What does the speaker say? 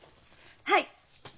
はい！